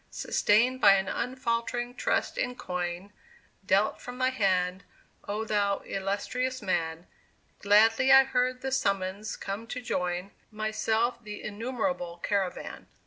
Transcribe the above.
Sustained by an unfaltering trust in coin, Dealt from thy hand, O thou illustrious man, Gladly I heard the summons come to join Myself the innumerable caravan.